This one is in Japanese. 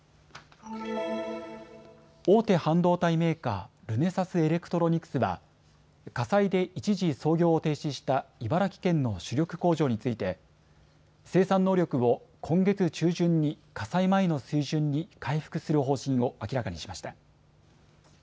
大手半導体メーカー、ルネサスエレクトロニクスは火災で一時、操業を停止した茨城県の主力工場について生産能力を今月中旬に火災前の水準に回復する方針を明らかにしました。